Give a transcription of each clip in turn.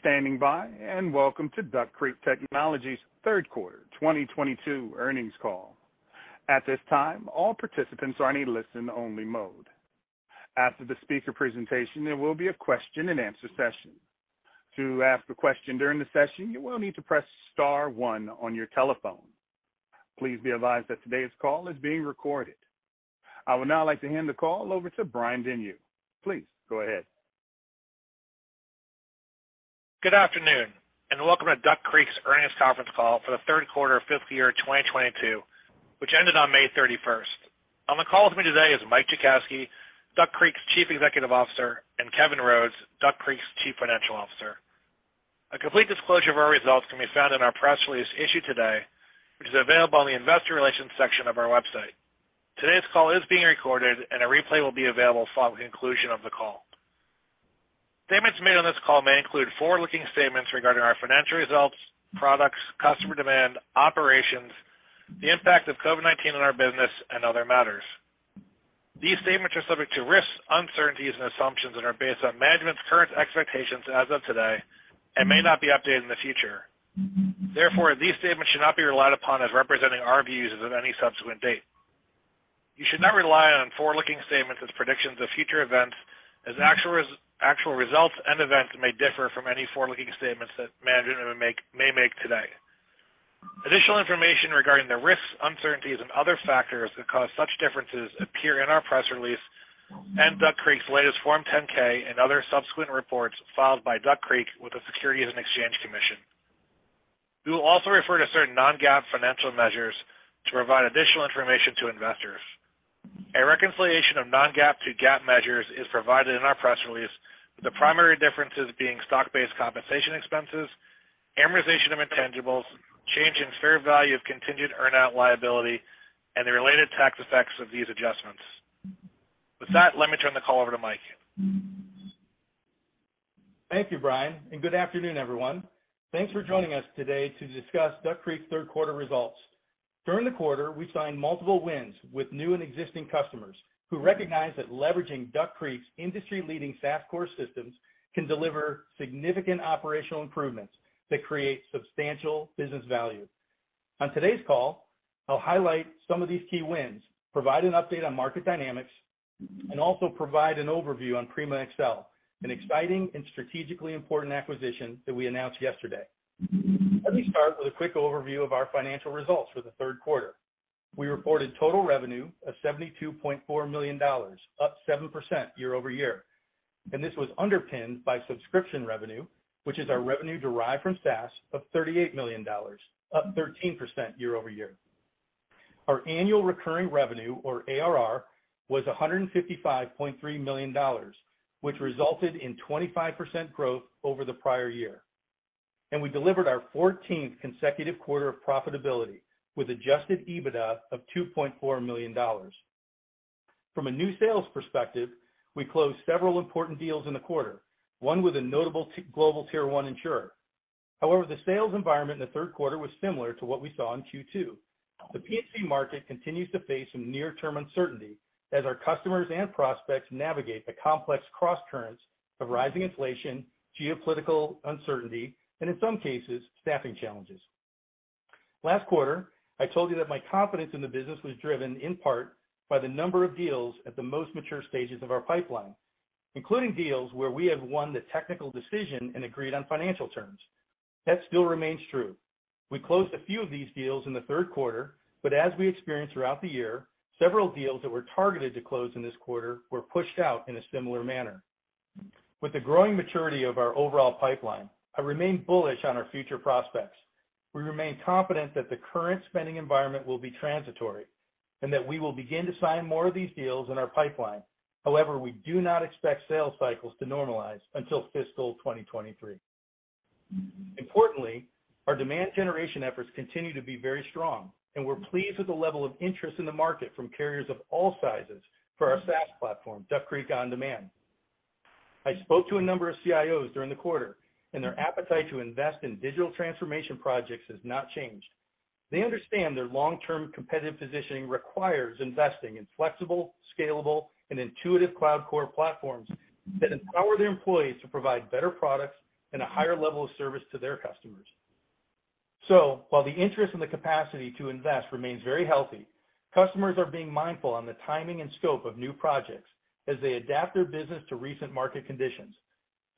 Standing by. Welcome to Duck Creek Technologies third quarter 2022 earnings call. At this time, all participants are in a listen-only mode. After the speaker presentation, there will be a question and answer session. To ask a question during the session, you will need to press star one on your telephone. Please be advised that today's call is being recorded. I would now like to hand the call over to Brian Denyeau. Please go ahead. Good afternoon and welcome to Duck Creek's earnings conference call for the third quarter, fiscal year 2022, which ended on May 31st. On the call with me today is Mike Jackowski, Duck Creek's Chief Executive Officer, and Kevin Rhodes, Duck Creek's Chief Financial Officer. A complete disclosure of our results can be found in our press release issued today, which is available on the investor relations section of our website. Today's call is being recorded, and a replay will be available following the conclusion of the call. Statements made on this call may include forward-looking statements regarding our financial results, products, customer demand, operations, the impact of COVID-19 on our business and other matters. These statements are subject to risks, uncertainties and assumptions and are based on management's current expectations as of today and may not be updated in the future. Therefore, these statements should not be relied upon as representing our views as of any subsequent date. You should not rely on forward-looking statements as predictions of future events as actual results and events may differ from any forward-looking statements that management may make today. Additional information regarding the risks, uncertainties and other factors that cause such differences appear in our press release and Duck Creek's latest Form 10-K and other subsequent reports filed by Duck Creek with the Securities and Exchange Commission. We will also refer to certain non-GAAP financial measures to provide additional information to investors. A reconciliation of non-GAAP to GAAP measures is provided in our press release, with the primary differences being stock-based compensation expenses, amortization of intangibles, change in fair value of continued earn out liability, and the related tax effects of these adjustments. With that, let me turn the call over to Mike. Thank you, Brian, and good afternoon, everyone. Thanks for joining us today to discuss Duck Creek's third quarter results. During the quarter, we signed multiple wins with new and existing customers who recognize that leveraging Duck Creek's industry-leading SaaS core systems can deliver significant operational improvements that create substantial business value. On today's call, I'll highlight some of these key wins, provide an update on market dynamics, and also provide an overview on Prima XL, an exciting and strategically important acquisition that we announced yesterday. Let me start with a quick overview of our financial results for the third quarter. We reported total revenue of $72.4 million, up 7% year-over-year, and this was underpinned by subscription revenue, which is our revenue derived from SaaS of $38 million, up 13% year-over-year. Our annual recurring revenue or ARR was $155.3 million, which resulted in 25% growth over the prior year. We delivered our 14th consecutive quarter of profitability with adjusted EBITDA of $2.4 million. From a new sales perspective, we closed several important deals in the quarter, one with a notable top global tier one insurer. However, the sales environment in the third quarter was similar to what we saw in Q2. The P&C market continues to face some near-term uncertainty as our customers and prospects navigate the complex crosscurrents of rising inflation, geopolitical uncertainty, and in some cases, staffing challenges. Last quarter, I told you that my confidence in the business was driven in part by the number of deals at the most mature stages of our pipeline, including deals where we have won the technical decision and agreed on financial terms. That still remains true. We closed a few of these deals in the third quarter, but as we experienced throughout the year, several deals that were targeted to close in this quarter were pushed out in a similar manner. With the growing maturity of our overall pipeline, I remain bullish on our future prospects. We remain confident that the current spending environment will be transitory and that we will begin to sign more of these deals in our pipeline. However, we do not expect sales cycles to normalize until fiscal 2023. Importantly, our demand generation efforts continue to be very strong, and we're pleased with the level of interest in the market from carriers of all sizes for our SaaS platform, Duck Creek OnDemand. I spoke to a number of CIOs during the quarter, and their appetite to invest in digital transformation projects has not changed. They understand their long-term competitive positioning requires investing in flexible, scalable and intuitive cloud core platforms that empower their employees to provide better products and a higher level of service to their customers. While the interest and the capacity to invest remains very healthy, customers are being mindful on the timing and scope of new projects as they adapt their business to recent market conditions.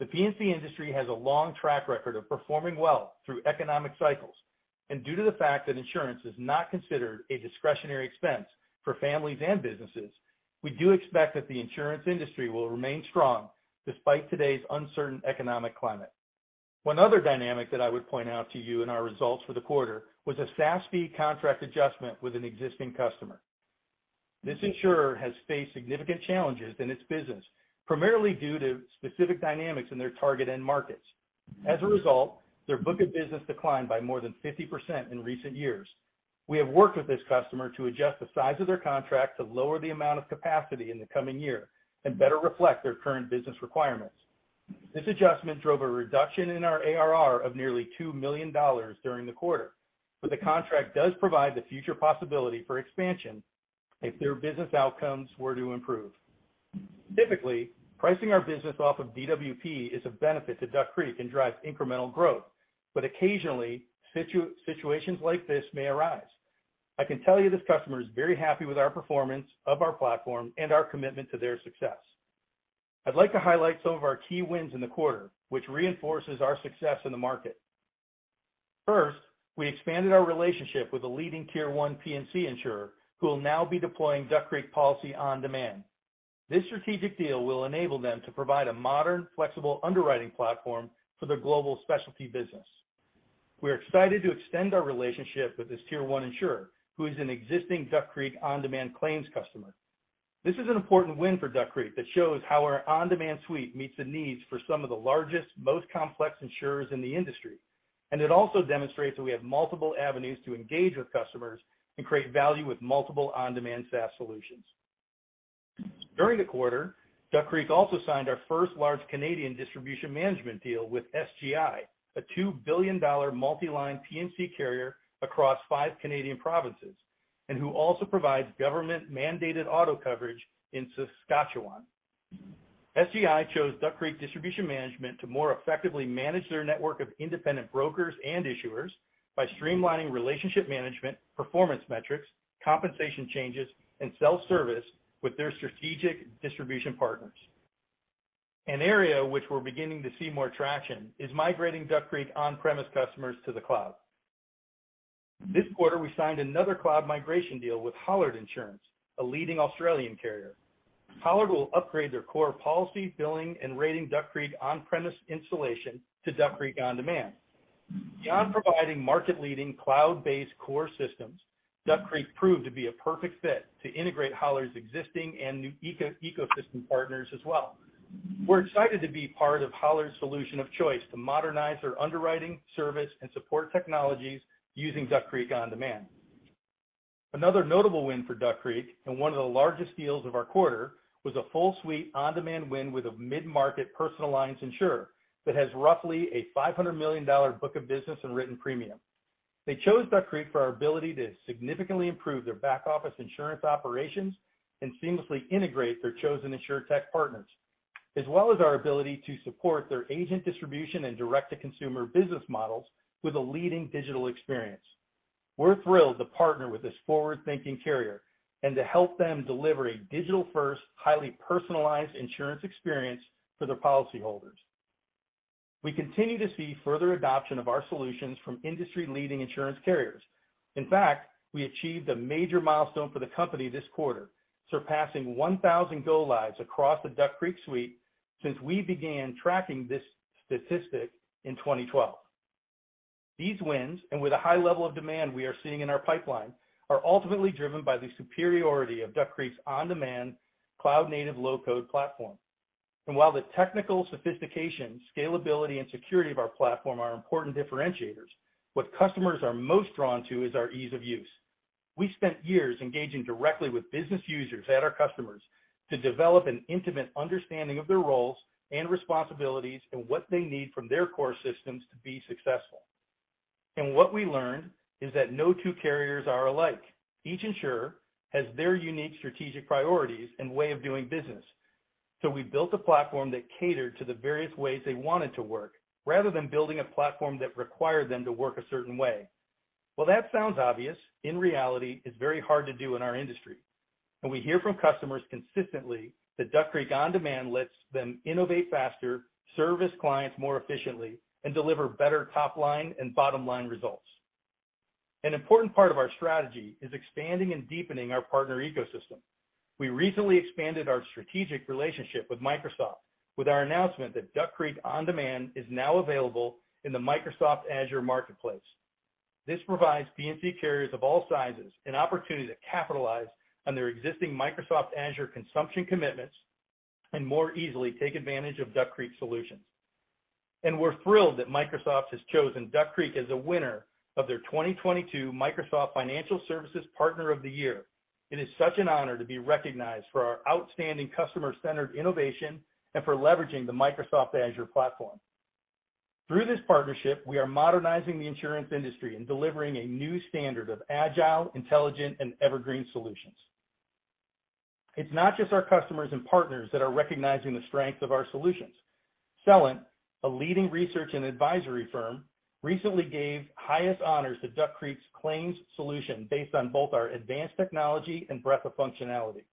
The P&C industry has a long track record of performing well through economic cycles, and due to the fact that insurance is not considered a discretionary expense for families and businesses, we do expect that the insurance industry will remain strong despite today's uncertain economic climate. One other dynamic that I would point out to you in our results for the quarter was a SaaS fee contract adjustment with an existing customer. This insurer has faced significant challenges in its business, primarily due to specific dynamics in their target end markets. As a result, their book of business declined by more than 50% in recent years. We have worked with this customer to adjust the size of their contract to lower the amount of capacity in the coming year and better reflect their current business requirements. This adjustment drove a reduction in our ARR of nearly $2 million during the quarter, but the contract does provide the future possibility for expansion. If their business outcomes were to improve. Typically, pricing our business off of DWP is a benefit to Duck Creek and drives incremental growth. Occasionally, situations like this may arise. I can tell you this customer is very happy with our performance of our platform and our commitment to their success. I'd like to highlight some of our key wins in the quarter, which reinforces our success in the market. First, we expanded our relationship with a leading tier one P&C insurer who will now be deploying Duck Creek Policy OnDemand. This strategic deal will enable them to provide a modern, flexible underwriting platform for their global specialty business. We're excited to extend our relationship with this tier one insurer, who is an existing Duck Creek OnDemand Claims customer. This is an important win for Duck Creek that shows how our OnDemand suite meets the needs for some of the largest, most complex insurers in the industry. It also demonstrates that we have multiple avenues to engage with customers and create value with multiple OnDemand SaaS solutions. During the quarter, Duck Creek also signed our first large Canadian distribution management deal with SGI, a $2 billion multi-line P&C carrier across five Canadian provinces, and who also provides government-mandated auto coverage in Saskatchewan. SGI chose Duck Creek Distribution Management to more effectively manage their network of independent brokers and issuers by streamlining relationship management, performance metrics, compensation changes, and self-service with their strategic distribution partners. An area which we're beginning to see more traction is migrating Duck Creek on-premise customers to the cloud. This quarter, we signed another cloud migration deal with Hollard Insurance, a leading Australian carrier. Hollard will upgrade their core policy, billing, and rating Duck Creek on-premise installation to Duck Creek OnDemand. Beyond providing market-leading cloud-based core systems, Duck Creek proved to be a perfect fit to integrate Hollard's existing and new ecosystem partners as well. We're excited to be part of Hollard's solution of choice to modernize their underwriting service and support technologies using Duck Creek OnDemand. Another notable win for Duck Creek, and one of the largest deals of our quarter, was a full suite OnDemand win with a mid-market personal lines insurer that has roughly a $500 million book of business and written premium. They chose Duck Creek for our ability to significantly improve their back-office insurance operations and seamlessly integrate their chosen insurer tech partners, as well as our ability to support their agent distribution and direct-to-consumer business models with a leading digital experience. We're thrilled to partner with this forward-thinking carrier and to help them deliver a digital-first, highly personalized insurance experience for their policyholders. We continue to see further adoption of our solutions from industry-leading insurance carriers. In fact, we achieved a major milestone for the company this quarter, surpassing 1,000 go-lives across the Duck Creek suite since we began tracking this statistic in 2012. These wins, and with a high level of demand we are seeing in our pipeline, are ultimately driven by the superiority of Duck Creek OnDemand cloud-native low-code platform. While the technical sophistication, scalability, and security of our platform are important differentiators, what customers are most drawn to is our ease of use. We spent years engaging directly with business users at our customers to develop an intimate understanding of their roles and responsibilities and what they need from their core systems to be successful. What we learned is that no two carriers are alike. Each insurer has their unique strategic priorities and way of doing business. We built a platform that catered to the various ways they wanted to work rather than building a platform that required them to work a certain way. While that sounds obvious, in reality, it's very hard to do in our industry. We hear from customers consistently that Duck Creek OnDemand lets them innovate faster, service clients more efficiently, and deliver better top-line and bottom-line results. An important part of our strategy is expanding and deepening our partner ecosystem. We recently expanded our strategic relationship with Microsoft with our announcement that Duck Creek OnDemand is now available in the Microsoft Azure marketplace. This provides P&C carriers of all sizes an opportunity to capitalize on their existing Microsoft Azure consumption commitments and more easily take advantage of Duck Creek solutions. We're thrilled that Microsoft has chosen Duck Creek as a winner of their 2022 Microsoft Financial Services Partner of the Year. It is such an honor to be recognized for our outstanding customer-centered innovation and for leveraging the Microsoft Azure platform. Through this partnership, we are modernizing the insurance industry and delivering a new standard of agile, intelligent, and evergreen solutions. It's not just our customers and partners that are recognizing the strength of our solutions. Celent, a leading research and advisory firm, recently gave highest honors to Duck Creek's claims solution based on both our advanced technology and breadth of functionality.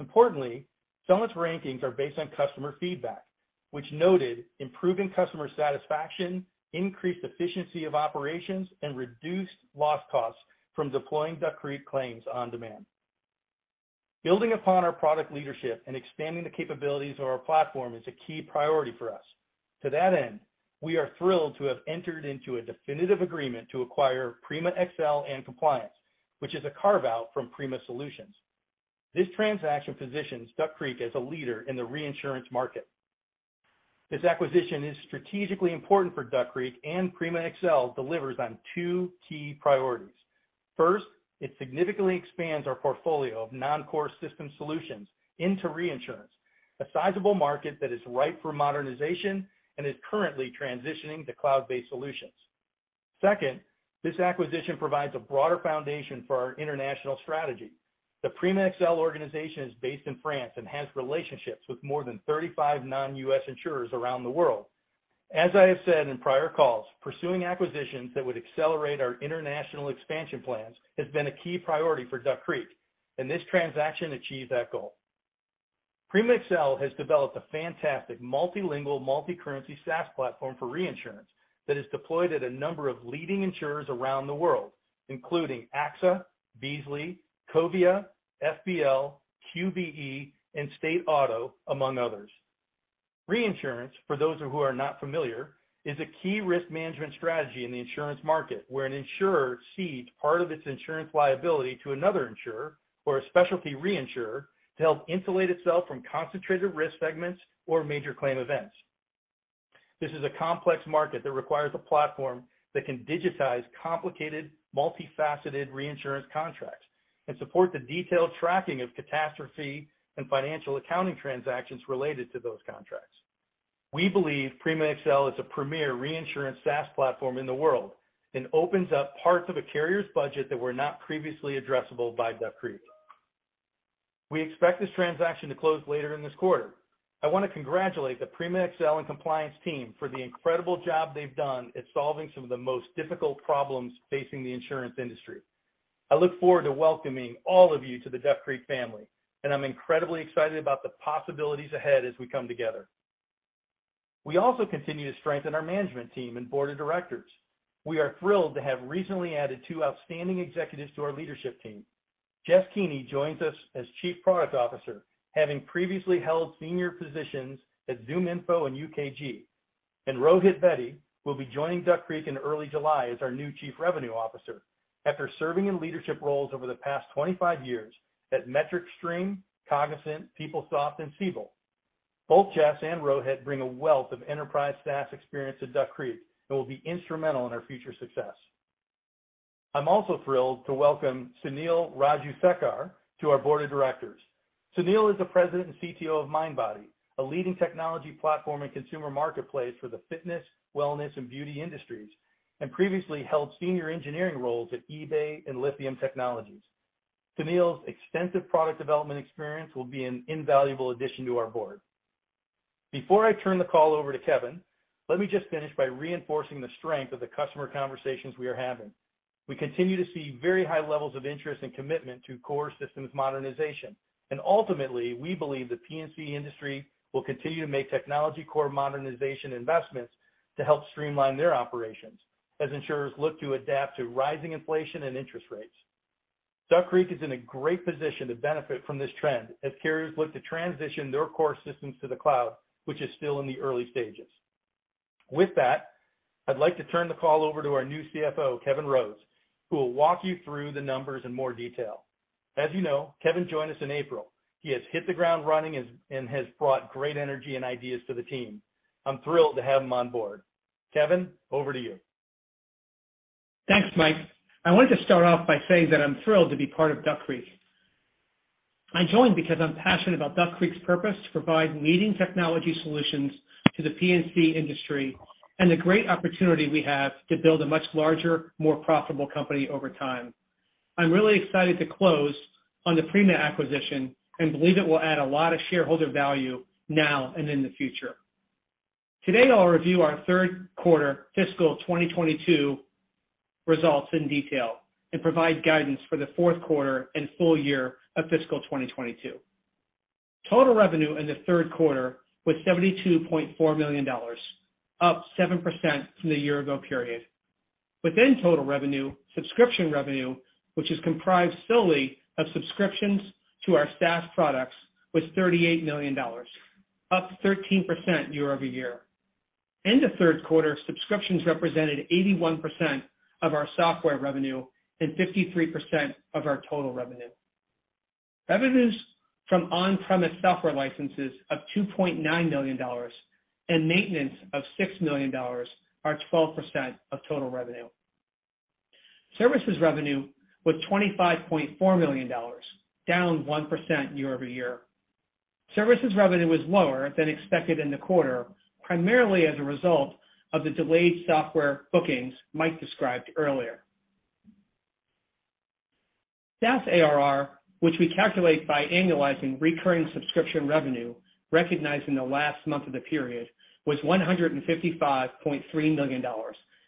Importantly, Celent's rankings are based on customer feedback, which noted improving customer satisfaction, increased efficiency of operations, and reduced loss costs from deploying Duck Creek Claims OnDemand. Building upon our product leadership and expanding the capabilities of our platform is a key priority for us. To that end, we are thrilled to have entered into a definitive agreement to acquire Prima XL and Prima Compliance, which is a carve-out from Prima Solutions. This transaction positions Duck Creek as a leader in the reinsurance market. This acquisition is strategically important for Duck Creek, and Prima XL delivers on two key priorities. First, it significantly expands our portfolio of non-core system solutions into reinsurance, a sizable market that is ripe for modernization and is currently transitioning to cloud-based solutions. Second, this acquisition provides a broader foundation for our international strategy. The Prima XL organization is based in France and has relationships with more than 35 non-U.S. insurers around the world. As I have said in prior calls, pursuing acquisitions that would accelerate our international expansion plans has been a key priority for Duck Creek, and this transaction achieved that goal. Prima XL has developed a fantastic multilingual multi-currency SaaS platform for reinsurance that is deployed at a number of leading insurers around the world, including AXA, Beazley, Covéa, FBL, QBE, and State Auto, among others. Reinsurance, for those of you who are not familiar, is a key risk management strategy in the insurance market, where an insurer cedes part of its insurance liability to another insurer or a specialty reinsurer to help insulate itself from concentrated risk segments or major claim events. This is a complex market that requires a platform that can digitize complicated, multifaceted reinsurance contracts and support the detailed tracking of catastrophe and financial accounting transactions related to those contracts. We believe Prima XL is a premier reinsurance SaaS platform in the world and opens up parts of a carrier's budget that were not previously addressable by Duck Creek. We expect this transaction to close later in this quarter. I want to congratulate the Prima XL and compliance team for the incredible job they've done at solving some of the most difficult problems facing the insurance industry. I look forward to welcoming all of you to the Duck Creek family, and I'm incredibly excited about the possibilities ahead as we come together. We also continue to strengthen our management team and board of directors. We are thrilled to have recently added two outstanding executives to our leadership team. Jess Keeney joins us as Chief Product Officer, having previously held senior positions at ZoomInfo and UKG. Rohit Bedi will be joining Duck Creek in early July as our new Chief Revenue Officer after serving in leadership roles over the past 25 years at MetricStream, Cognizant, PeopleSoft and Siebel. Both Jess and Rohit bring a wealth of enterprise SaaS experience to Duck Creek and will be instrumental in our future success. I'm also thrilled to welcome Sunil Rajasekar to our board of directors. Sunil is the President and CTO of Mindbody, a leading technology platform and consumer marketplace for the fitness, wellness, and beauty industries, and previously held senior engineering roles at eBay and Lithium Technologies. Sunil's extensive product development experience will be an invaluable addition to our board. Before I turn the call over to Kevin, let me just finish by reinforcing the strength of the customer conversations we are having. We continue to see very high levels of interest and commitment to core systems modernization. Ultimately, we believe the P&C industry will continue to make technology core modernization investments to help streamline their operations as insurers look to adapt to rising inflation and interest rates. Duck Creek is in a great position to benefit from this trend as carriers look to transition their core systems to the cloud, which is still in the early stages. With that, I'd like to turn the call over to our new CFO, Kevin Rhodes, who will walk you through the numbers in more detail. As you know, Kevin joined us in April. He has hit the ground running and has brought great energy and ideas to the team. I'm thrilled to have him on board. Kevin, over to you. Thanks, Mike. I wanted to start off by saying that I'm thrilled to be part of Duck Creek. I joined because I'm passionate about Duck Creek's purpose to provide leading technology solutions to the P&C industry and the great opportunity we have to build a much larger, more profitable company over time. I'm really excited to close on the Prima acquisition and believe it will add a lot of shareholder value now and in the future. Today, I'll review our third quarter fiscal 2022 results in detail and provide guidance for the fourth quarter and full year of fiscal 2022. Total revenue in the third quarter was $72.4 million, up 7% from the year-ago period. Within total revenue, subscription revenue, which is comprised solely of subscriptions to our SaaS products, was $38 million, up 13% year-over-year. In the third quarter, subscriptions represented 81% of our software revenue and 53% of our total revenue. Revenues from on-premise software licenses of $2.9 million and maintenance of $6 million are 12% of total revenue. Services revenue was $25.4 million, down 1% year-over-year. Services revenue was lower than expected in the quarter, primarily as a result of the delayed software bookings Mike described earlier. SaaS ARR, which we calculate by annualizing recurring subscription revenue recognized in the last month of the period, was $155.3 million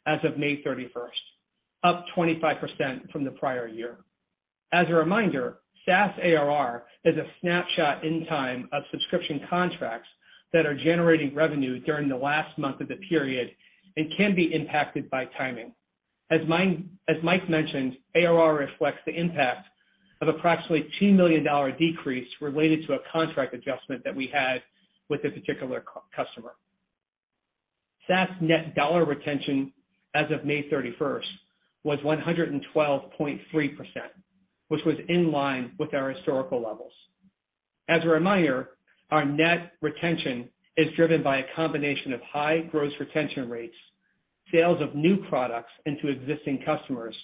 as of May 31st, up 25% from the prior year. As a reminder, SaaS ARR is a snapshot in time of subscription contracts that are generating revenue during the last month of the period and can be impacted by timing. As Mike mentioned, ARR reflects the impact of approximately $2 million decrease related to a contract adjustment that we had with a particular customer. SaaS net dollar retention as of May 31st was 112.3%, which was in line with our historical levels. As a reminder, our net retention is driven by a combination of high gross retention rates, sales of new products into existing customers,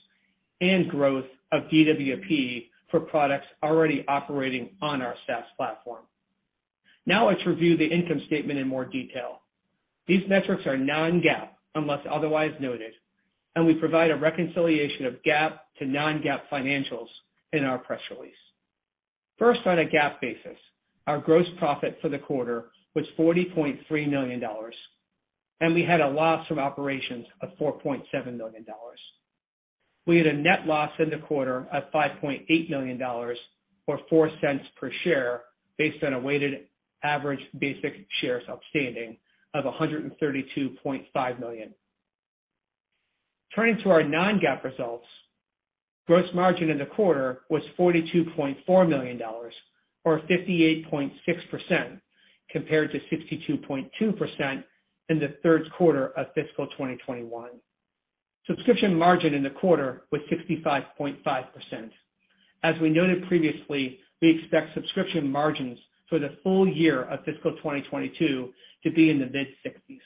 and growth of DWP for products already operating on our SaaS platform. Now let's review the income statement in more detail. These metrics are non-GAAP, unless otherwise noted, and we provide a reconciliation of GAAP to non-GAAP financials in our press release. First, on a GAAP basis, our gross profit for the quarter was $40.3 million, and we had a loss from operations of $4.7 million. We had a net loss in the quarter of $5.8 million, or $0.04 per share, based on a weighted average basic shares outstanding of 132.5 million. Turning to our non-GAAP results, gross margin in the quarter was $42.4 million, or 58.6%, compared to 62.2% in the third quarter of fiscal 2021. Subscription margin in the quarter was 65.5%. As we noted previously, we expect subscription margins for the full year of fiscal 2022 to be in the mid-60s.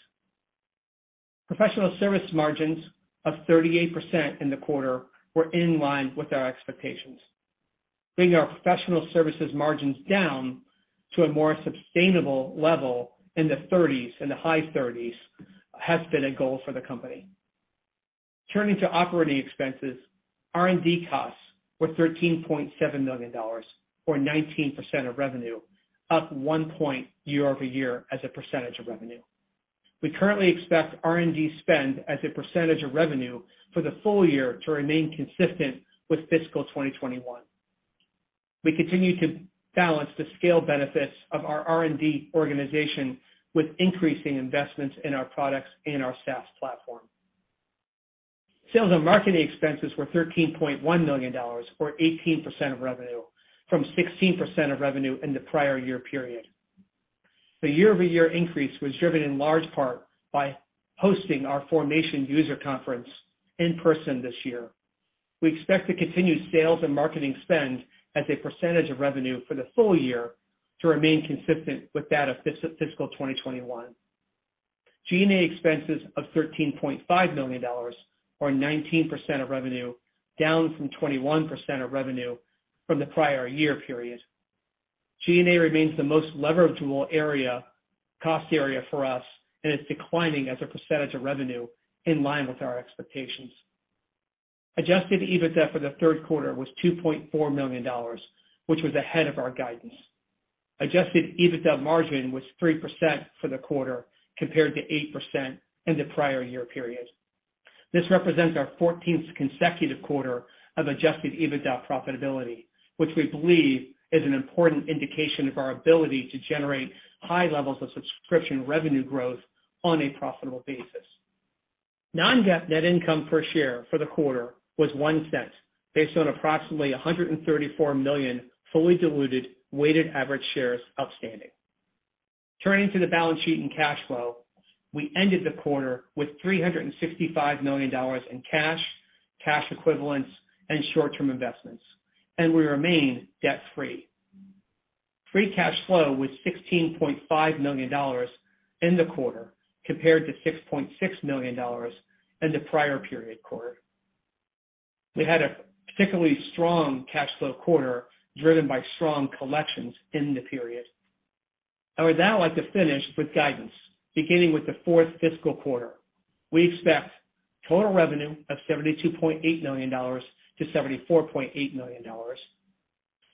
Professional service margins of 38% in the quarter were in line with our expectations. Bringing our professional services margins down to a more sustainable level in the 30s, in the high 30s, has been a goal for the company. Turning to operating expenses, R&D costs were $13.7 million, or 19% of revenue, up one point year-over-year as a percentage of revenue. We currently expect R&D spend as a percentage of revenue for the full year to remain consistent with fiscal 2021. We continue to balance the scale benefits of our R&D organization with increasing investments in our products and our SaaS platform. Sales and marketing expenses were $13.1 million, or 18% of revenue, from 16% of revenue in the prior year period. The year-over-year increase was driven in large part by hosting our Formation user conference in person this year. We expect to continue sales and marketing spend as a percentage of revenue for the full year to remain consistent with that of fiscal 2021. G&A expenses of $13.5 million, or 19% of revenue, down from 21% of revenue from the prior year period. G&A remains the most leverageable area, cost area for us, and it's declining as a percentage of revenue in line with our expectations. Adjusted EBITDA for the third quarter was $2.4 million, which was ahead of our guidance. Adjusted EBITDA margin was 3% for the quarter, compared to 8% in the prior year period. This represents our 14th consecutive quarter of adjusted EBITDA profitability, which we believe is an important indication of our ability to generate high levels of subscription revenue growth on a profitable basis. Non-GAAP net income per share for the quarter was $0.01, based on approximately 134 million fully diluted weighted average shares outstanding. Turning to the balance sheet and cash flow, we ended the quarter with $365 million in cash equivalents, and short-term investments, and we remain debt-free. Free cash flow was $16.5 million in the quarter, compared to $6.6 million in the prior period quarter. We had a particularly strong cash flow quarter, driven by strong collections in the period. I would now like to finish with guidance. Beginning with the fourth fiscal quarter, we expect total revenue of $72.8 million-$74.8 million,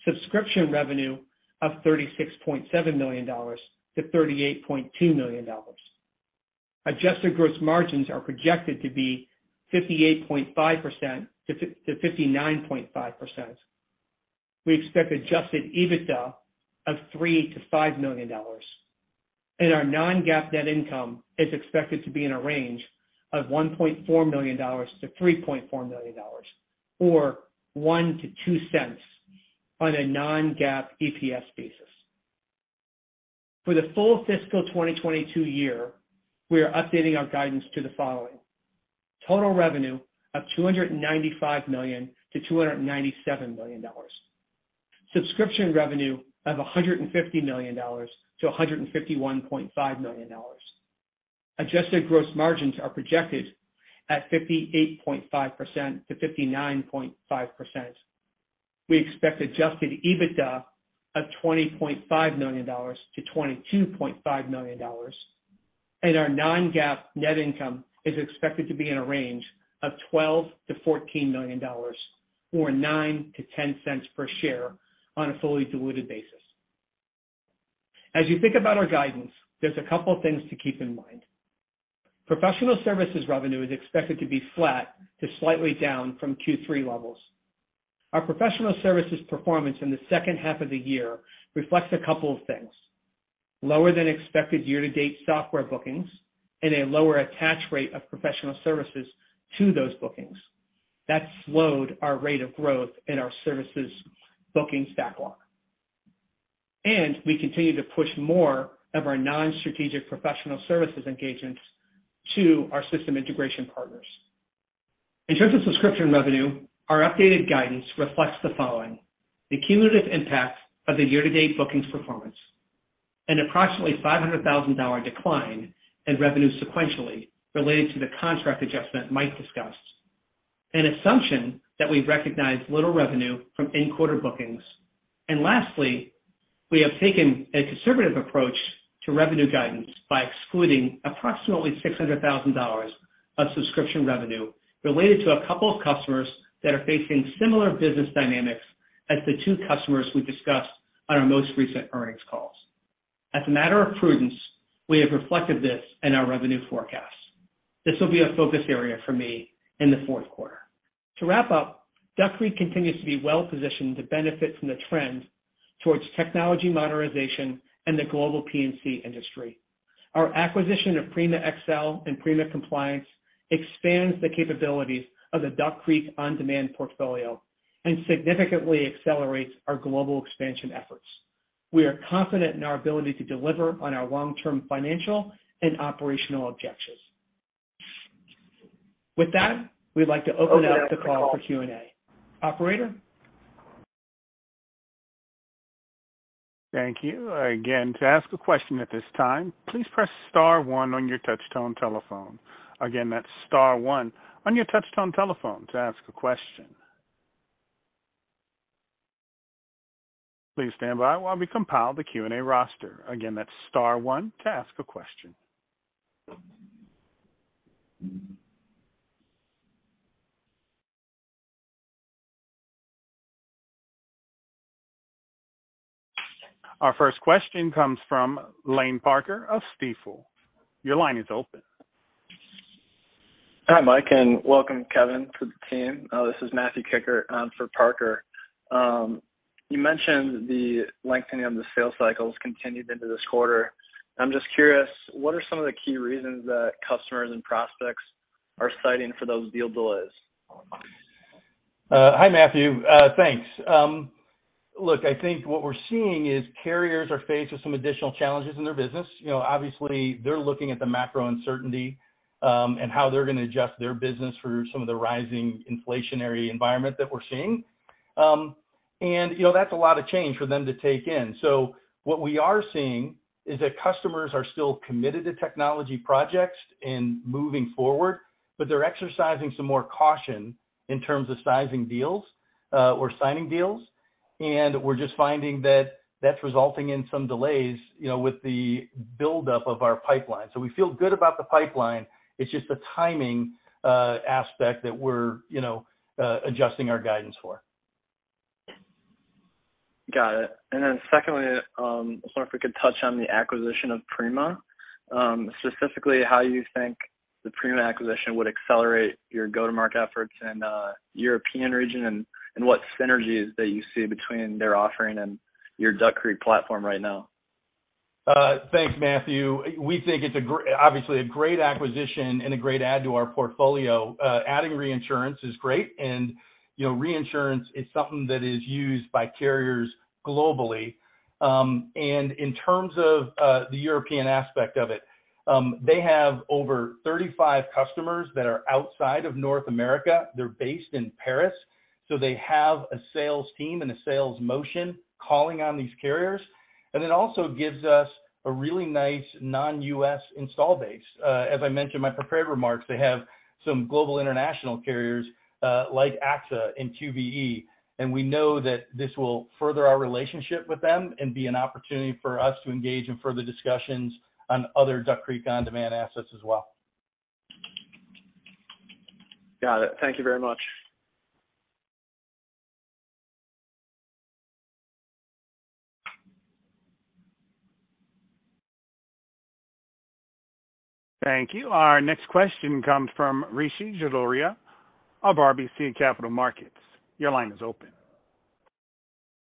subscription revenue of $36.7 million-$38.2 million. Adjusted gross margins are projected to be 58.5%-59.5%. We expect adjusted EBITDA of $3 million-$5 million, and our non-GAAP net income is expected to be in a range of $1.4 million-$3.4 million, or $0.01-$0.02 on a non-GAAP EPS basis. For the full fiscal 2022 year, we are updating our guidance to the following, total revenue of $295 million-$297 million, subscription revenue of $150 million-$151.5 million. Adjusted gross margins are projected at 58.5%-59.5%. We expect adjusted EBITDA of $20.5 million-$22.5 million, and our non-GAAP net income is expected to be in a range of $12 million-$14 million, or $0.09-$0.10 per share on a fully diluted basis. As you think about our guidance, there's a couple of things to keep in mind. Professional services revenue is expected to be flat to slightly down from Q3 levels. Our professional services performance in the second half of the year reflects a couple of things. Lower than expected year-to-date software bookings and a lower attach rate of professional services to those bookings. That slowed our rate of growth in our services bookings backlog. We continue to push more of our non-strategic professional services engagements to our system integration partners. In terms of subscription revenue, our updated guidance reflects the following. The cumulative impact of the year-to-date bookings performance, an approximately $500,000 decline in revenue sequentially related to the contract adjustment Mike discussed. An assumption that we've recognized little revenue from end-quarter bookings. Lastly, we have taken a conservative approach to revenue guidance by excluding approximately $600,000 of subscription revenue related to a couple of customers that are facing similar business dynamics as the two customers we discussed on our most recent earnings calls. As a matter of prudence, we have reflected this in our revenue forecast. This will be a focus area for me in the fourth quarter. To wrap up, Duck Creek continues to be well-positioned to benefit from the trend towards technology modernization in the global P&C industry. Our acquisition of Prima XL and Prima Compliance expands the capabilities of the Duck Creek OnDemand portfolio and significantly accelerates our global expansion efforts. We are confident in our ability to deliver on our long-term financial and operational objectives. With that, we'd like to open up the call for Q&A. Operator? Thank you. Again, to ask a question at this time, please press star one on your touchtone telephone. Again, that's star one on your touchtone telephone to ask a question. Please stand by while we compile the Q&A roster. Again, that's star one to ask a question. Our first question comes from Lane, Parker of Stifel. Your line is open. Hi, Mike, and welcome, Kevin, to the team. This is Matthew Kikkert for Parker. You mentioned the lengthening of the sales cycles continued into this quarter. I'm just curious, what are some of the key reasons that customers and prospects are citing for those deal delays? Hi, Matthew. Thanks. Look, I think what we're seeing is carriers are faced with some additional challenges in their business. You know, obviously, they're looking at the macro uncertainty, and how they're gonna adjust their business for some of the rising inflationary environment that we're seeing. You know, that's a lot of change for them to take in. What we are seeing is that customers are still committed to technology projects in moving forward, but they're exercising some more caution in terms of sizing deals, or signing deals. We're just finding that that's resulting in some delays, you know, with the buildup of our pipeline. We feel good about the pipeline. It's just the timing, aspect that we're, you know, adjusting our guidance for. Got it. Secondly, I was wondering if we could touch on the acquisition of Prima, specifically how you think the Prima acquisition would accelerate your go-to-market efforts in European region and what synergies that you see between their offering and your Duck Creek platform right now. Thanks, Matthew. We think it's obviously a great acquisition and a great add to our portfolio. Adding reinsurance is great and, you know, reinsurance is something that is used by carriers globally. In terms of the European aspect of it, they have over 35 customers that are outside of North America. They're based in Paris, so they have a sales team and a sales motion calling on these carriers. It also gives us a really nice non-U.S. install base. As I mentioned in my prepared remarks, they have some global international carriers like AXA and QBE, and we know that this will further our relationship with them and be an opportunity for us to engage in further discussions on other Duck Creek OnDemand assets as well. Got it. Thank you very much. Thank you. Our next question comes from Rishi Jaluria of RBC Capital Markets. Your line is open.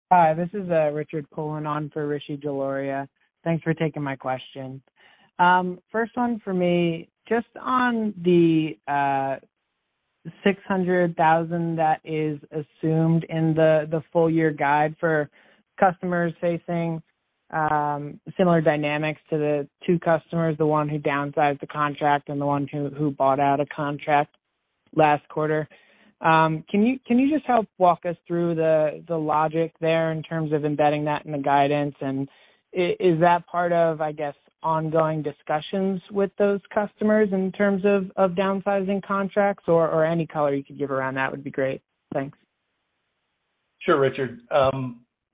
Hi, this is Richard Cohen on for Rishi Jaluria. Thanks for taking my question. First one for me, just on the $600,000 that is assumed in the full-year guide for customers facing similar dynamics to the two customers, the one who downsized the contract and the one who bought out a contract last quarter. Can you just help walk us through the logic there in terms of embedding that in the guidance? Is that part of, I guess, ongoing discussions with those customers in terms of downsizing contracts? Or any color you could give around that would be great. Thanks. Sure, Richard.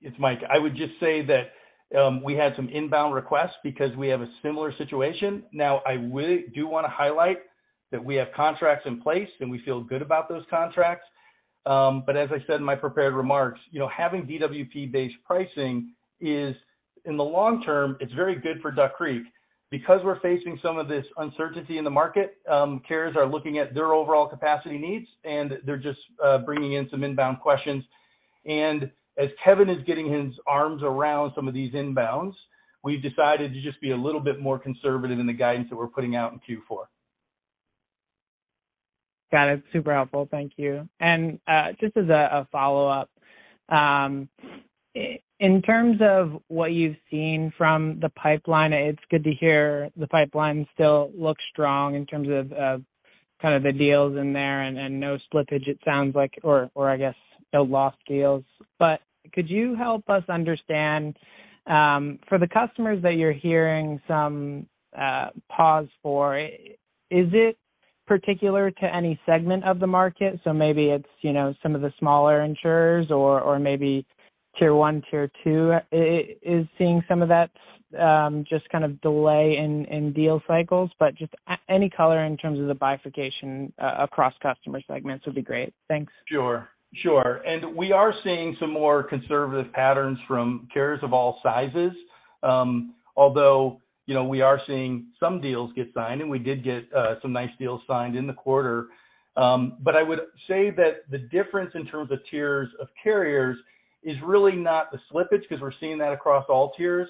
It's Mike. I would just say that we had some inbound requests because we have a similar situation. Now, I really do wanna highlight that we have contracts in place, and we feel good about those contracts. As I said in my prepared remarks, you know, having DWP-based pricing is, in the long term, it's very good for Duck Creek. Because we're facing some of this uncertainty in the market, carriers are looking at their overall capacity needs, and they're just bringing in some inbound questions. As Kevin Rhodes is getting his arms around some of these inbounds, we've decided to just be a little bit more conservative in the guidance that we're putting out in Q4. Got it. Super helpful. Thank you. Just as a follow-up, in terms of what you've seen from the pipeline, it's good to hear the pipeline still looks strong in terms of kind of the deals in there and no slippage, it sounds like, or I guess no lost deals. Could you help us understand for the customers that you're hearing some pause for, is it Particular to any segment of the market. Maybe it's, you know, some of the smaller insurers or maybe tier one, tier two is seeing some of that, just kind of delay in deal cycles. But just any color in terms of the bifurcation across customer segments would be great. Thanks. We are seeing some more conservative patterns from carriers of all sizes. Although, you know, we are seeing some deals get signed, and we did get some nice deals signed in the quarter. I would say that the difference in terms of tiers of carriers is really not the slippage because we're seeing that across all tiers.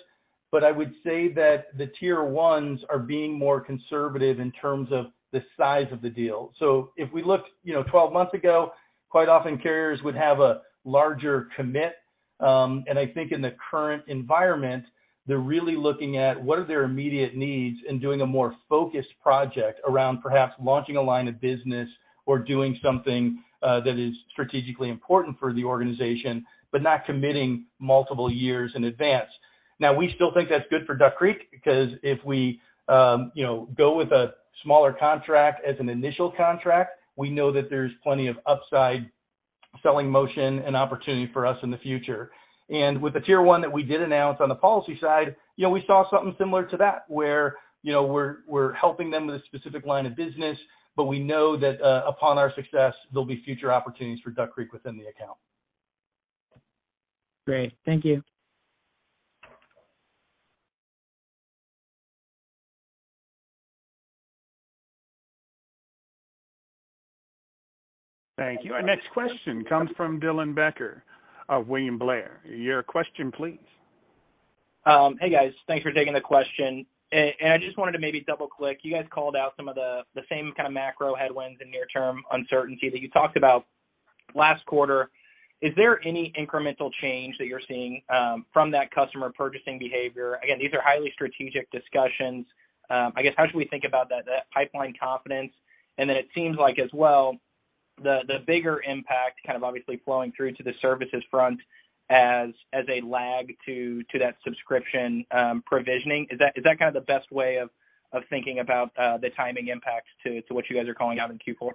I would say that the tier ones are being more conservative in terms of the size of the deal. If we looked, you know, 12 months ago, quite often carriers would have a larger commit. I think in the current environment, they're really looking at what are their immediate needs and doing a more focused project around perhaps launching a line of business or doing something that is strategically important for the organization, but not committing multiple years in advance. Now, we still think that's good for Duck Creek, because if we, you know, go with a smaller contract as an initial contract, we know that there's plenty of upside selling motion and opportunity for us in the future. With the tier one that we did announce on the policy side, you know, we saw something similar to that, where, you know, we're helping them with a specific line of business, but we know that, upon our success, there'll be future opportunities for Duck Creek within the account. Great. Thank you. Thank you. Our next question comes from Dylan Becker of William Blair. Your question, please. Hey, guys. Thanks for taking the question. I just wanted to maybe double-click. You guys called out some of the same kind of macro headwinds and near-term uncertainty that you talked about last quarter. Is there any incremental change that you're seeing from that customer purchasing behavior? Again, these are highly strategic discussions. I guess how should we think about that pipeline confidence? It seems like as well, the bigger impact kind of obviously flowing through to the services front as a lag to that subscription provisioning. Is that kind of the best way of thinking about the timing impacts to what you guys are calling out in Q4?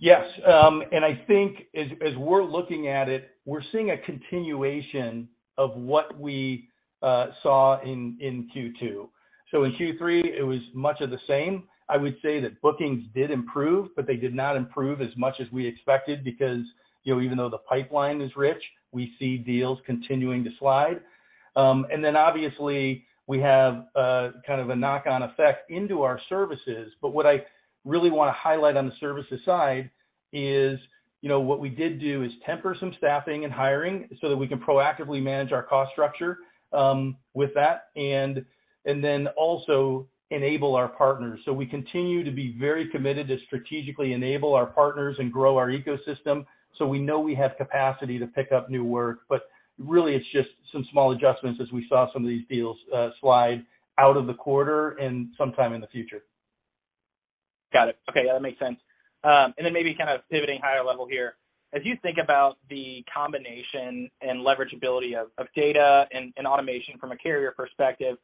Yes. I think as we're looking at it, we're seeing a continuation of what we saw in Q2. In Q3, it was much of the same. I would say that bookings did improve, but they did not improve as much as we expected because, you know, even though the pipeline is rich, we see deals continuing to slide. Then obviously we have kind of a knock-on effect into our services. What I really wanna highlight on the services side is, you know, what we did do is temper some staffing and hiring so that we can proactively manage our cost structure with that and then also enable our partners. We continue to be very committed to strategically enable our partners and grow our ecosystem. We know we have capacity to pick up new work, but really it's just some small adjustments as we saw some of these deals slide out of the quarter and sometime in the future. Got it. Okay. Yeah, that makes sense. Maybe kind of pivoting higher level here. As you think about the combination and leverageability of data and automation from a carrier perspective,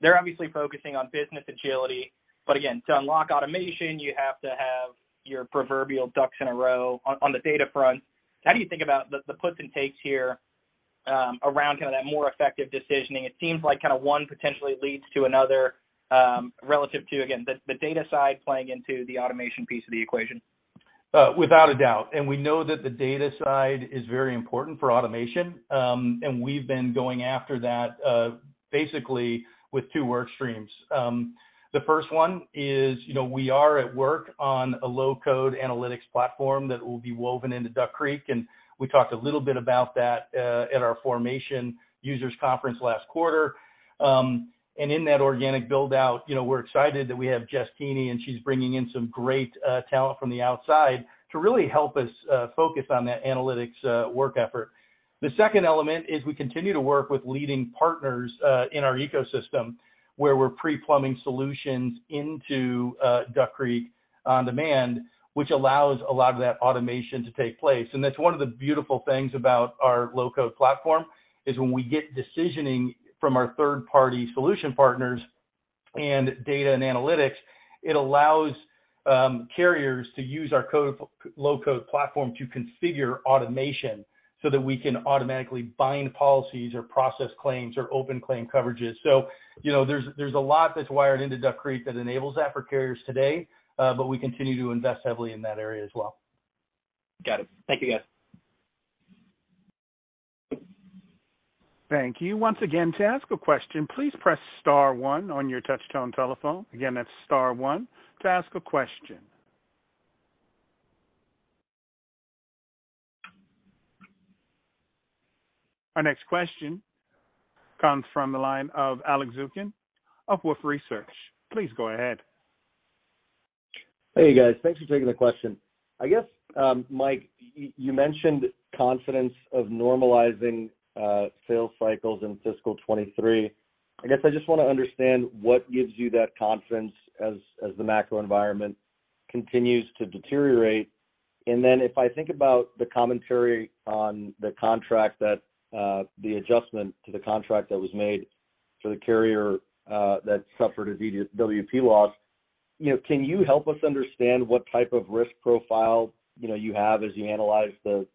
they're obviously focusing on business agility. Again, to unlock automation, you have to have your proverbial ducks in a row on the data front. How do you think about the puts and takes here, around kind of that more effective decisioning? It seems like kind of one potentially leads to another, relative to, again, the data side playing into the automation piece of the equation. Without a doubt. We know that the data side is very important for automation. We've been going after that basically with two work streams. The first one is, you know, we are at work on a low-code analytics platform that will be woven into Duck Creek, and we talked a little bit about that at our Formation users conference last quarter. In that organic build-out, you know, we're excited that we have Jess Keeney, and she's bringing in some great talent from the outside to really help us focus on that analytics work effort. The second element is we continue to work with leading partners in our ecosystem, where we're pre-plumbing solutions into Duck Creek OnDemand, which allows a lot of that automation to take place. That's one of the beautiful things about our low-code platform, is when we get decisioning from our third-party solution partners and data and analytics, it allows carriers to use our low-code platform to configure automation so that we can automatically bind policies or process claims or open claim coverages. You know, there's a lot that's wired into Duck Creek that enables that for carriers today, but we continue to invest heavily in that area as well. Got it. Thank you, guys. Thank you. Once again, to ask a question, please press star one on your touch tone telephone. Again, that's star one to ask a question. Our next question comes from the line of Alex Zukin of Wolfe Research. Please go ahead. Hey, guys. Thanks for taking the question. I guess, Mike, you mentioned confidence of normalizing sales cycles in fiscal 2023. I guess I just wanna understand what gives you that confidence as the macro environment Continues to deteriorate. Then if I think about the commentary on the contract that, the adjustment to the contract that was made for the carrier that suffered a DWP loss, you know, can you help us understand what type of risk profile, you know, you have as you analyze the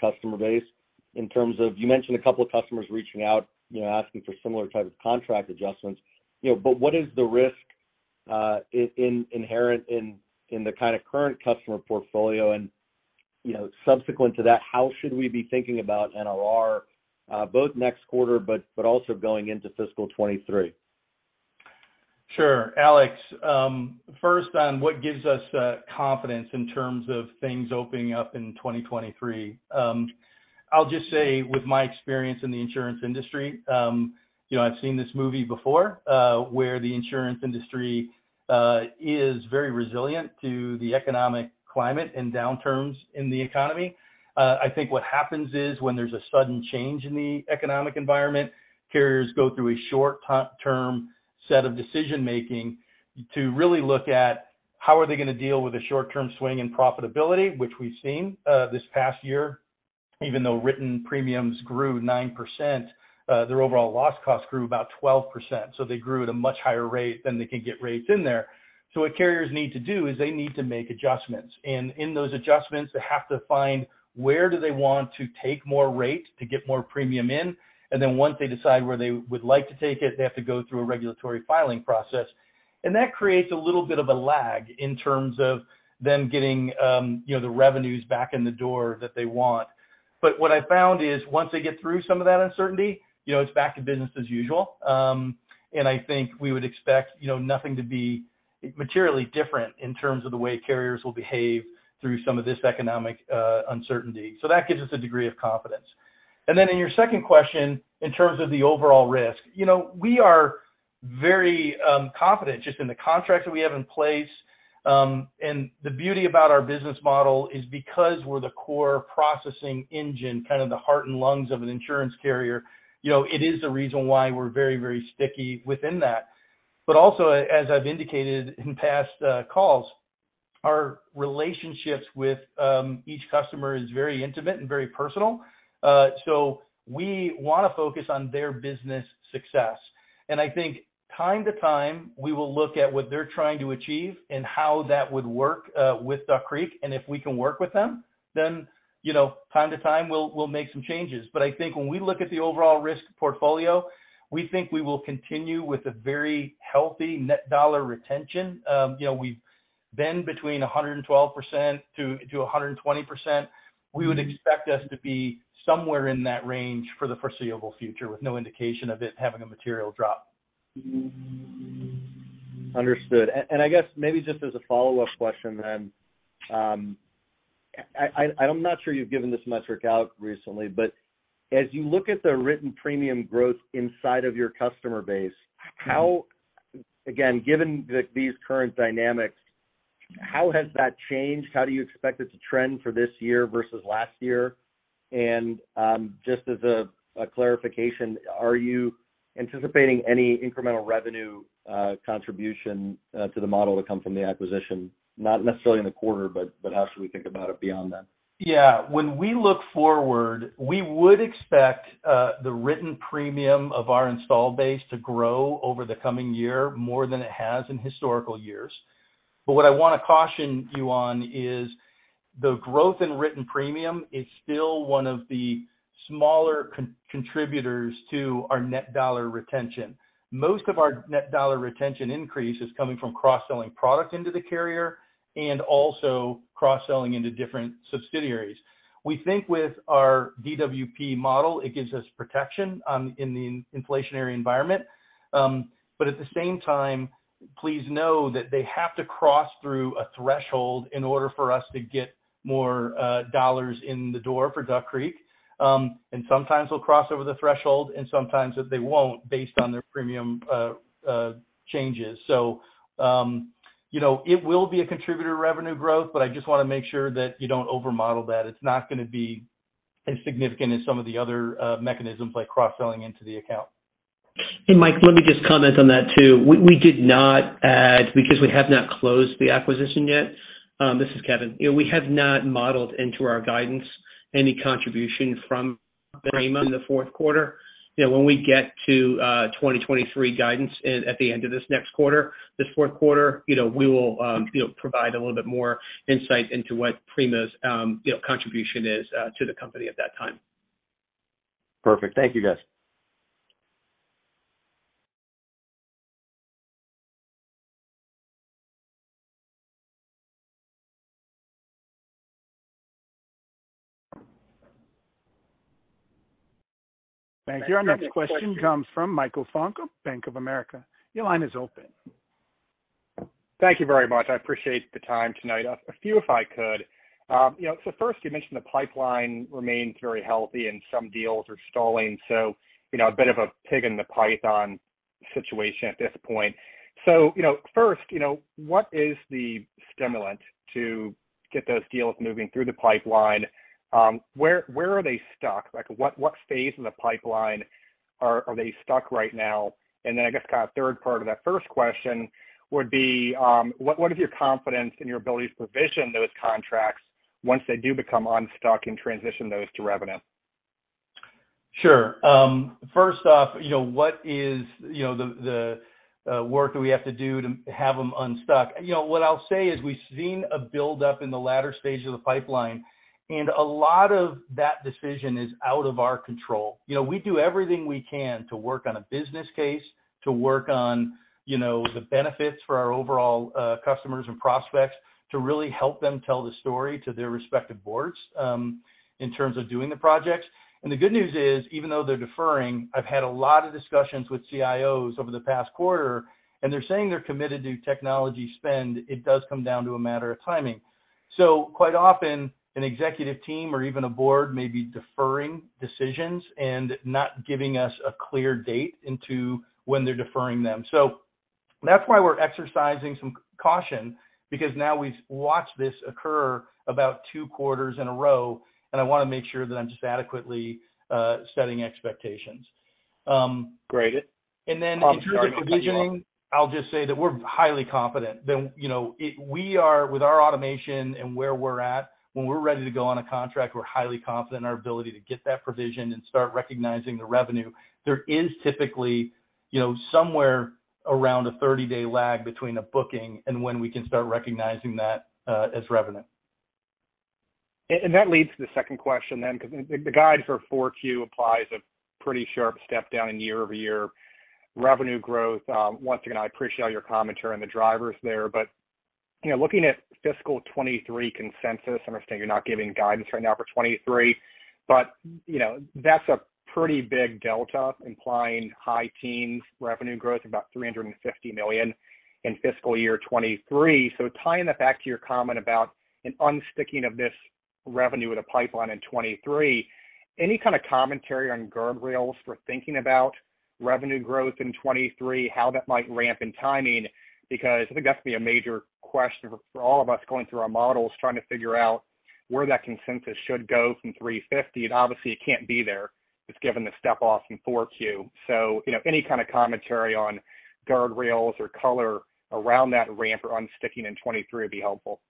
customer base in terms of... You mentioned a couple of customers reaching out, you know, asking for similar type of contract adjustments, you know, but what is the risk inherent in the kind of current customer portfolio? You know, subsequent to that, how should we be thinking about NRR both next quarter, but also going into fiscal 2023? Sure. Alex, first on what gives us the confidence in terms of things opening up in 2023. I'll just say with my experience in the insurance industry, you know, I've seen this movie before, where the insurance industry is very resilient to the economic climate and downturns in the economy. I think what happens is when there's a sudden change in the economic environment, carriers go through a short-term set of decision-making to really look at how are they gonna deal with the short-term swing in profitability, which we've seen this past year. Even though written premiums grew 9%, their overall loss cost grew about 12%. They grew at a much higher rate than they could get rates in there. What carriers need to do is they need to make adjustments. In those adjustments, they have to find where do they want to take more rate to get more premium in, and then once they decide where they would like to take it, they have to go through a regulatory filing process. That creates a little bit of a lag in terms of them getting, you know, the revenues back in the door that they want. What I found is once they get through some of that uncertainty, you know, it's back to business as usual. I think we would expect, you know, nothing to be materially different in terms of the way carriers will behave through some of this economic uncertainty. That gives us a degree of confidence. Then in your second question, in terms of the overall risk, you know, we are very confident just in the contracts that we have in place. The beauty about our business model is because we're the core processing engine, kind of the heart and lungs of an insurance carrier, you know, it is the reason why we're very, very sticky within that. But also, as I've indicated in past calls, our relationships with each customer is very intimate and very personal. So we wanna focus on their business success. I think time to time, we will look at what they're trying to achieve and how that would work with Duck Creek. If we can work with them, then, you know, time to time we'll make some changes. I think when we look at the overall risk portfolio, we think we will continue with a very healthy net dollar retention. We've been between 112%-120%. We would expect us to be somewhere in that range for the foreseeable future with no indication of it having a material drop. Understood. I guess maybe just as a follow-up question then, I'm not sure you've given this metric out recently, but as you look at the written premium growth inside of your customer base, how, again, given these current dynamics, has that changed? How do you expect it to trend for this year versus last year? Just as a clarification, are you anticipating any incremental revenue contribution to the model to come from the acquisition, not necessarily in the quarter, but how should we think about it beyond that? Yeah. When we look forward, we would expect the written premium of our installed base to grow over the coming year more than it has in historical years. What I wanna caution you on is the growth in written premium is still one of the smaller contributors to our net dollar retention. Most of our net dollar retention increase is coming from cross-selling product into the carrier and also cross-selling into different subsidiaries. We think with our DWP model, it gives us protection in the inflationary environment. At the same time, please know that they have to cross through a threshold in order for us to get more dollars in the door for Duck Creek. Sometimes they'll cross over the threshold, and sometimes they won't based on their premium changes. You know, it will be a contributor to revenue growth, but I just wanna make sure that you don't over-model that. It's not gonna be as significant as some of the other mechanisms like cross-selling into the account. Hey, Mike, let me just comment on that too. We did not add. Because we have not closed the acquisition yet, this is Kevin, you know, we have not modeled into our guidance any contribution from Prima in the fourth quarter. You know, when we get to 2023 guidance at the end of this next quarter, this fourth quarter, you know, we will provide a little bit more insight into what Prima's contribution is to the company at that time. Perfect. Thank you, guys. Thank you. Our next question comes from Michael Funk of Bank of America. Your line is open. Thank you very much. I appreciate the time tonight. A few, if I could. You know, first, you mentioned the pipeline remains very healthy and some deals are stalling. You know, a bit of a pig-in-the-python situation at this point. You know, first, you know, what is the stimulant to get those deals moving through the pipeline? Where are they stuck? Like, what phase in the pipeline are they stuck right now? And then I guess kind of third part of that first question would be, what is your confidence in your ability to provision those contracts once they do become unstuck and transition those to revenue? Sure. First off, you know, what is the work that we have to do to have them unstuck? You know, what I'll say is we've seen a build-up in the latter stage of the pipeline, and a lot of that decision is out of our control. You know, we do everything we can to work on a business case, to work on the benefits for our overall customers and prospects to really help them tell the story to their respective boards in terms of doing the projects. The good news is, even though they're deferring, I've had a lot of discussions with CIOs over the past quarter, and they're saying they're committed to technology spend. It does come down to a matter of timing. Quite often an executive team or even a board may be deferring decisions and not giving us a clear date into when they're deferring them. That's why we're exercising some caution, because now we've watched this occur about two quarters in a row, and I want to make sure that I'm just adequately setting expectations. Great. In terms of provisioning, I'll just say that we're highly confident. You know, we are with our automation and where we're at, when we're ready to go on a contract, we're highly confident in our ability to get that provisioned and start recognizing the revenue. There is typically, you know, somewhere around a 30-day lag between a booking and when we can start recognizing that as revenue. That leads to the second question then, because the guide for Q4 applies a pretty sharp step down in year-over-year revenue growth. Once again, I appreciate all your commentary on the drivers there. You know, looking at fiscal 2023 consensus, I understand you're not giving guidance right now for 2023, but, you know, that's a pretty big delta implying high teens revenue growth of about $350 million in fiscal year 2023. Tying that back to your comment about an unsticking of this revenue with a pipeline in 2023, any kind of commentary on guardrails for thinking about revenue growth in 2023, how that might ramp in timing? Because I think that's gonna be a major question for all of us going through our models, trying to figure out where that consensus should go from $350 million. Obviously it can't be there just given the step off in Q4. You know, any kind of commentary on guardrails or color around that ramp or unsticking in 2023 would be helpful.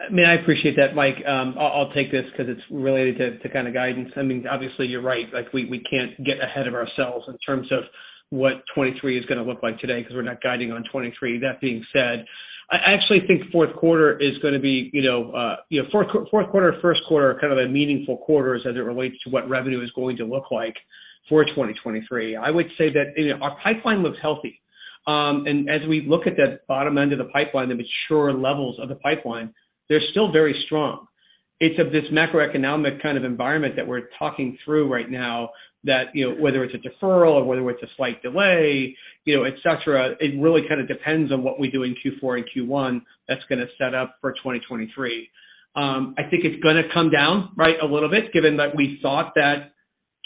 I mean, I appreciate that, Mike. I'll take this 'cause it's related to kind of guidance. I mean, obviously you're right. Like, we can't get ahead of ourselves in terms of what 2023 is gonna look like today 'cause we're not guiding on 2023. That being said, I actually think fourth quarter, first quarter are kind of the meaningful quarters as it relates to what revenue is going to look like for 2023. I would say that, you know, our pipeline looks healthy. As we look at the bottom end of the pipeline, the mature levels of the pipeline, they're still very strong. It's of this macroeconomic kind of environment that we're talking through right now that, you know, whether it's a deferral or whether it's a slight delay, you know, et cetera, it really kind of depends on what we do in Q4 and Q1 that's gonna set up for 2023. I think it's gonna come down, right, a little bit given that we thought that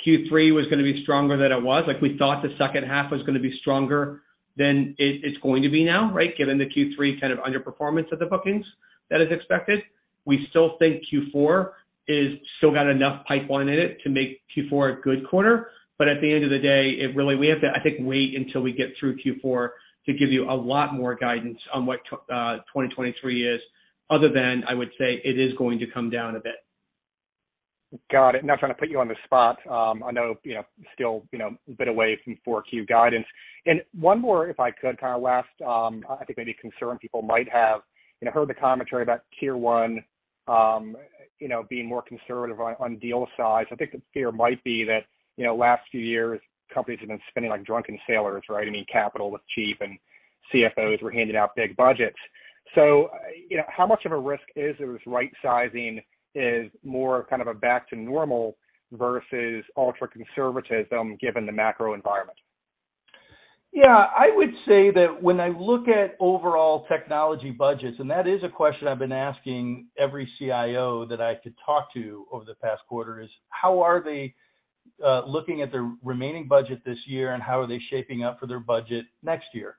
Q3 was gonna be stronger than it was. Like, we thought the second half was gonna be stronger than it's going to be now, right? Given the Q3 kind of underperformance of the bookings that is expected. We still think Q4 is still got enough pipeline in it to make Q4 a good quarter. At the end of the day, we have to, I think, wait until we get through Q4 to give you a lot more guidance on what 2023 is, other than I would say it is going to come down a bit. Got it. Not trying to put you on the spot. I know, you know, still, you know, a bit away from 4Q guidance. One more, if I could, kind of last, I think maybe concern people might have, you know, heard the commentary about tier one, you know, being more conservative on deal size. I think the fear might be that, you know, last few years, companies have been spending like drunken sailors, right? I mean, capital was cheap, and CFOs were handing out big budgets. So, you know, how much of a risk is this right sizing is more kind of a back to normal versus ultra conservatism given the macro environment? Yeah. I would say that when I look at overall technology budgets, and that is a question I've been asking every CIO that I could talk to over the past quarter is: How are they looking at their remaining budget this year, and how are they shaping up for their budget next year?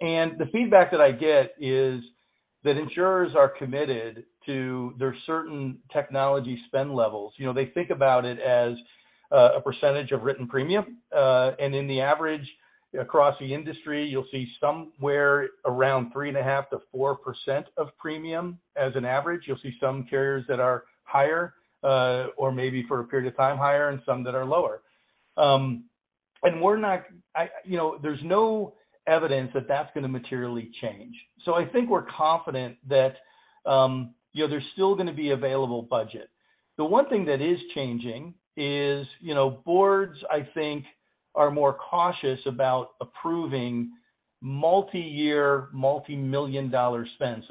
The feedback that I get is that insurers are committed to their certain technology spend levels. You know, they think about it as a percentage of written premium. In the average across the industry, you'll see somewhere around 3.5%-4% of premium as an average. You'll see some carriers that are higher or maybe for a period of time higher and some that are lower. I, you know, there's no evidence that that's gonna materially change. I think we're confident that, you know, there's still gonna be available budget. The one thing that is changing is, you know, boards, I think, are more cautious about approving multi-year, multi-million dollar spend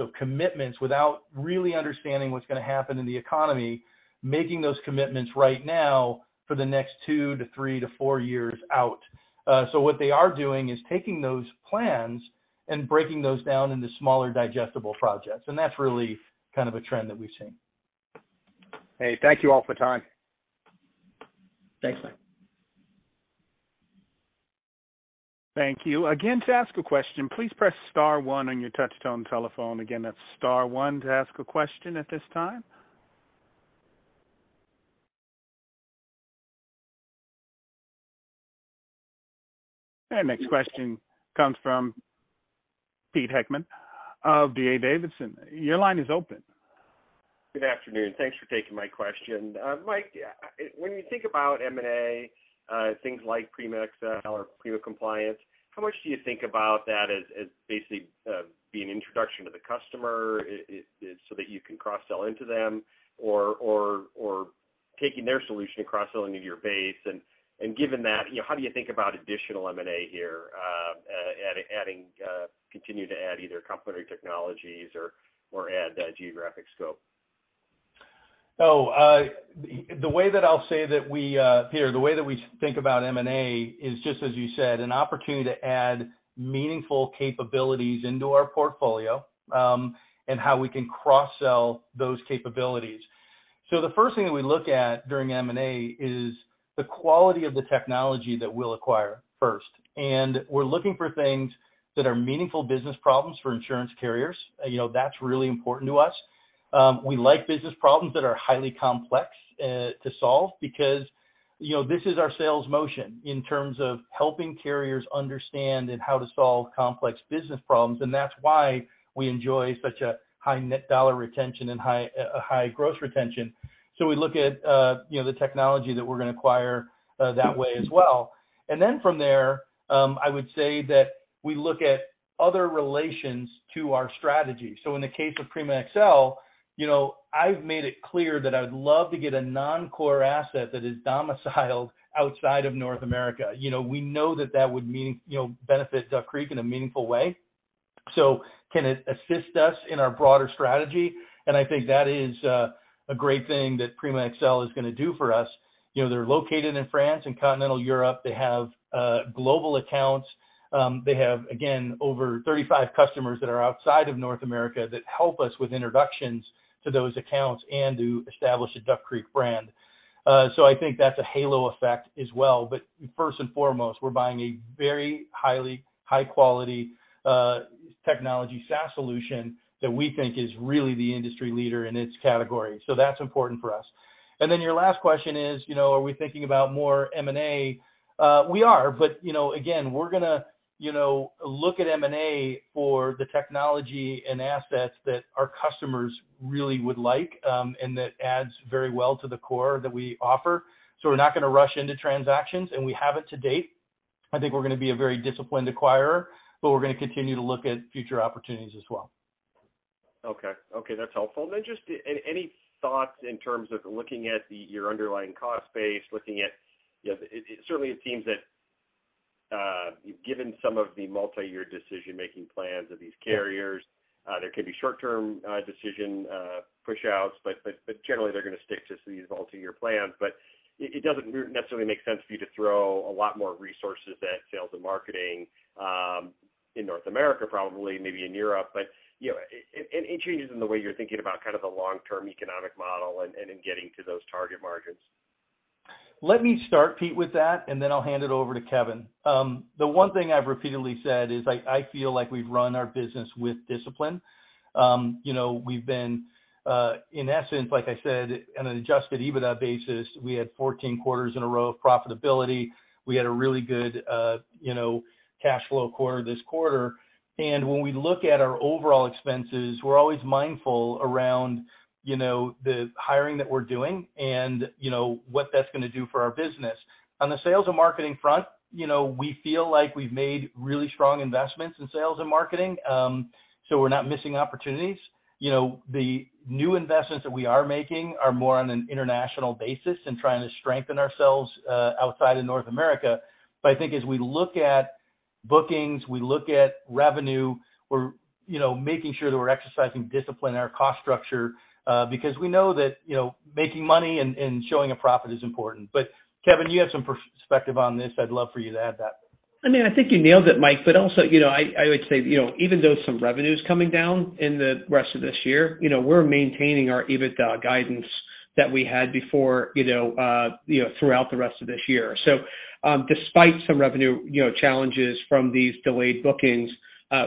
without really understanding what's gonna happen in the economy, making those commitments right now for the next two to three to four years out. What they are doing is taking those plans and breaking those down into smaller digestible projects. That's really kind of a trend that we've seen. Hey, thank you all for the time. Thanks, Mike. Thank you. Again, to ask a question, please press star one on your touchtone telephone. Again, that's star one to ask a question at this time. Our next question comes from Pete Heckmann of D.A. Davidson. Your line is open. Good afternoon. Thanks for taking my question. Mike, when you think about M&A, things like Prima XL or Prima Compliance, how much do you think about that as basically being an introduction to the customer so that you can cross-sell into them or taking their solution and cross-selling into your base? Given that, you know, how do you think about additional M&A here, adding continue to add either complementary technologies or add geographic scope? Peter, the way that we think about M&A is just as you said, an opportunity to add meaningful capabilities into our portfolio, and how we can cross-sell those capabilities. The first thing that we look at during M&A is the quality of the technology that we'll acquire first. We're looking for things that are meaningful business problems for insurance carriers. You know, that's really important to us. We like business problems that are highly complex to solve because, you know, this is our sales motion in terms of helping carriers understand and how to solve complex business problems, and that's why we enjoy such a high net dollar retention and high gross retention. We look at, you know, the technology that we're gonna acquire that way as well. From there, I would say that we look at other relations to our strategy. In the case of Prima XL, you know, I've made it clear that I would love to get a non-core asset that is domiciled outside of North America. You know, we know that that would mean, you know, benefit Duck Creek in a meaningful way. Can it assist us in our broader strategy? I think that is a great thing that Prima XL is gonna do for us. You know, they're located in France and continental Europe. They have global accounts. They have, again, over 35 customers that are outside of North America that help us with introductions to those accounts and to establish a Duck Creek brand. So I think that's a halo effect as well. First and foremost, we're buying a very highly high quality technology SaaS solution that we think is really the industry leader in its category. That's important for us. Then your last question is, you know, are we thinking about more M&A? We are. You know, again, we're gonna look at M&A for the technology and assets that our customers really would like, and that adds very well to the core that we offer. We're not gonna rush into transactions, and we haven't to date. I think we're gonna be a very disciplined acquirer, but we're gonna continue to look at future opportunities as well. Okay. Okay, that's helpful. Then just any thoughts in terms of looking at the, your underlying cost base, looking at, you know, it certainly seems that you've given some of the multi-year decision-making plans of these carriers. There can be short-term decision push-outs, but generally they're gonna stick to these multi-year plans. It doesn't necessarily make sense for you to throw a lot more resources at sales and marketing in North America, probably maybe in Europe, but, you know, any changes in the way you're thinking about kind of the long-term economic model and in getting to those target margins? Let me start, Pete, with that, and then I'll hand it over to Kevin. The one thing I've repeatedly said is I feel like we've run our business with discipline. You know, we've been, in essence, like I said, on an adjusted EBITDA basis, we had 14 quarters in a row of profitability. We had a really good, you know, cash flow quarter this quarter. When we look at our overall expenses, we're always mindful around, you know, the hiring that we're doing and you know, what that's gonna do for our business. On the sales and marketing front, you know, we feel like we've made really strong investments in sales and marketing, so we're not missing opportunities. You know, the new investments that we are making are more on an international basis and trying to strengthen ourselves, outside of North America. I think as we look at bookings, we look at revenue, we're, you know, making sure that we're exercising discipline in our cost structure, because we know that, you know, making money and showing a profit is important. Kevin, you have some perspective on this. I'd love for you to add that. I mean, I think you nailed it, Mike. Also, you know, I would say, you know, even though some revenue is coming down in the rest of this year, you know, we're maintaining our EBITDA guidance that we had before, you know, throughout the rest of this year. Despite some revenue, you know, challenges from these delayed bookings,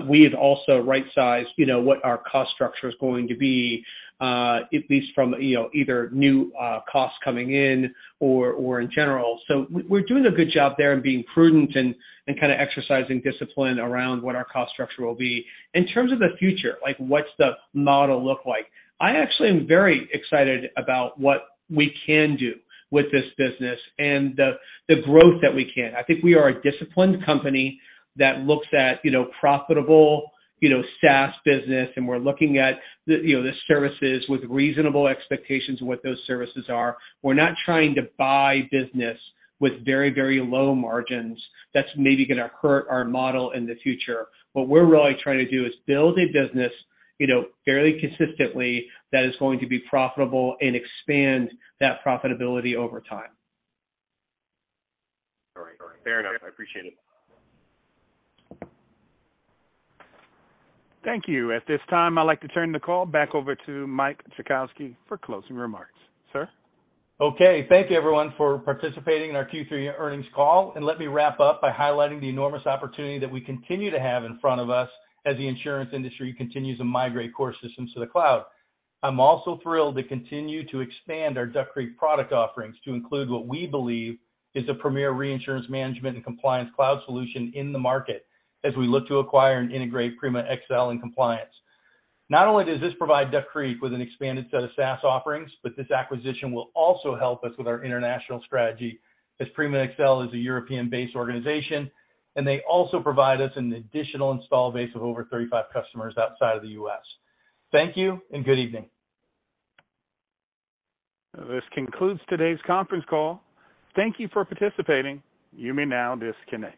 we have also right-sized, you know, what our cost structure is going to be, at least from, you know, either new costs coming in or in general. We're doing a good job there in being prudent and kinda exercising discipline around what our cost structure will be. In terms of the future, like what's the model look like? I actually am very excited about what we can do with this business and the growth that we can. I think we are a disciplined company that looks at, you know, profitable, you know, SaaS business, and we're looking at, you know, the services with reasonable expectations of what those services are. We're not trying to buy business with very, very low margins that's maybe gonna hurt our model in the future. What we're really trying to do is build a business, you know, fairly consistently that is going to be profitable and expand that profitability over time. All right. Fair enough. I appreciate it. Thank you. At this time, I'd like to turn the call back over to Mike Jackowski for closing remarks. Sir? Okay. Thank you everyone for participating in our Q3 earnings call. Let me wrap up by highlighting the enormous opportunity that we continue to have in front of us as the insurance industry continues to migrate core systems to the cloud. I'm also thrilled to continue to expand our Duck Creek product offerings to include what we believe is a premier reinsurance management and compliance cloud solution in the market as we look to acquire and integrate Prima XL and Prima Compliance. Not only does this provide Duck Creek with an expanded set of SaaS offerings, but this acquisition will also help us with our international strategy as Prima XL is a European-based organization, and they also provide us an additional installed base of over 35 customers outside of the U.S. Thank you and good evening. This concludes today's conference call. Thank you for participating. You may now disconnect.